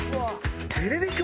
テレビ局？